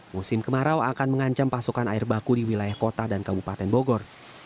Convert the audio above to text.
musim kemarau akan mengancam pasokan air baku di wilayah kota dan kabupaten bogor